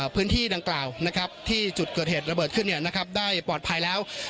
พื้นที่ดังกล่าวที่จุดเกิดเหตุระเบิดขึ้นได้ปลอดภัยแล้ว